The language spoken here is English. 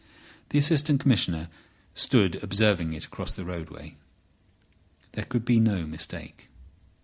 The Assistant Commissioner stood observing it across the roadway. There could be no mistake.